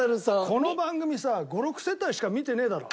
この番組さ５６世帯しか見てねえだろ。